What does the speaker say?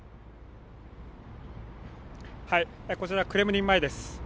こちらクレムリン前です。